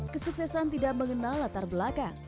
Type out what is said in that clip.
kesuksesan tidak mengenal latar belakang